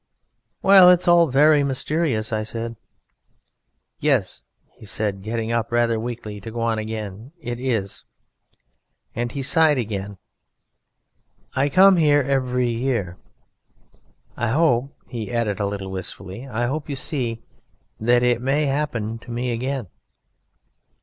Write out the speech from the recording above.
"Well, it's all very mysterious," I said. "Yes," he said, getting up rather weakly to go on again, "it is." And he sighed again. "I come here every year. I hope," he added a little wistfully, "I hope, you see, that it may happen to me again